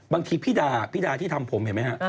พี่ดาพี่ดาที่ทำผมเห็นไหมฮะ